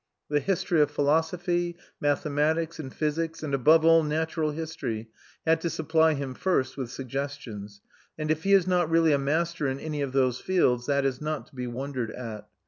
The history of philosophy, mathematics, and physics, and above all natural history, had to supply him first with suggestions; and if he is not really a master in any of those fields, that is not to be wondered at.